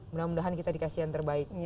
mudah mudahan kita dikasih yang terbaik